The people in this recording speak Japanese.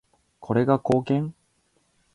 これが貢献？